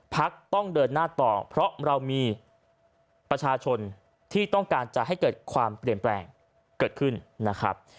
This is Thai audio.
พักต้องเดินหน้าต่อเพราะเรามีประชาชนที่ต้องการจะให้เกิดความเปลี่ยนแปลงเกิดขึ้นนะครับ